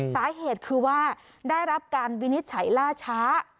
สาเหตุคือว่าได้รับการวินิจฉัยล่าช้า